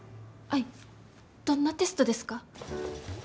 アイどんなテストですか？